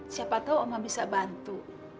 siapa tahu oma bisa bantu